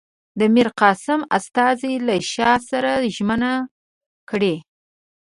د میرقاسم استازي له شاه سره ژمنه کړې.